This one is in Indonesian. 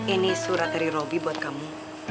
ini surat dari roby buat kamu